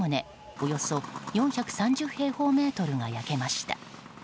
およそ４３０平方メートルが焼けました。